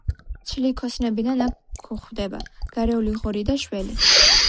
ჩლიქოსნებიდან აქ გვხვდება: გარეული ღორი და შველი.